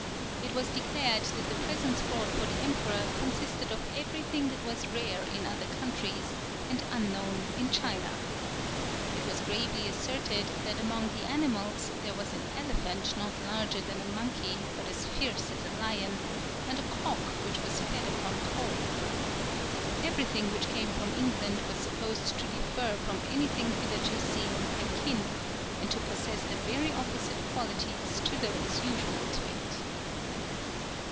It was declared that the presents brought for the emperor consisted of everything that was rare in other countries and unknown in China. It was gravely asserted that among the animals, there was an elephant not larger than a monkey, but as fierce as a lion, and a cock which was fed upon coal. Everything which came from England was supposed to differ from anything hitherto seen in Pekin, and to possess the very opposite qualities to those usual to it.